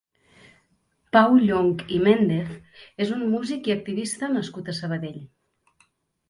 Pau Llonch i Méndez és un músic i activista nascut a Sabadell.